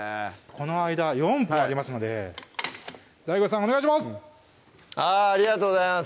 この間４分ありますのでＤＡＩＧＯさんお願いします！